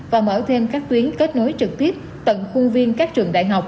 và mở thêm các tuyến kết nối trực tiếp tận khuôn viên các trường đại học